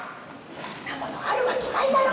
「そんなものあるわけないだろ！」